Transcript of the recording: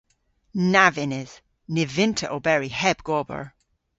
Na vynnydh. Ny vynn'ta oberi heb gober.